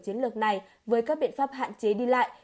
chiến lược này với các biện pháp hạn chế đi lại